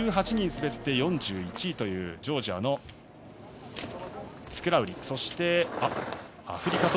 ５８人滑って４１位というジョージアのツィクラウリ。